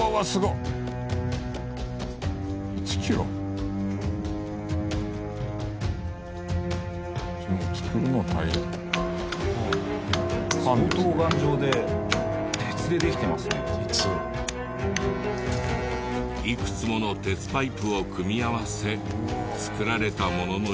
いくつもの鉄パイプを組み合わせ造られたもののようだが。